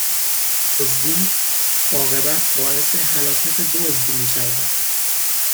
دزدی، عاقبت باعث هلاکت دزد میشود